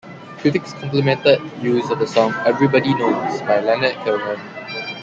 Critics complimented use of the song "Everybody Knows" by Leonard Cohen.